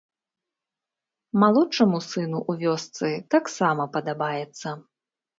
Малодшаму сыну ў вёсцы таксама падабаецца.